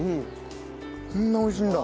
こんな美味しいんだ。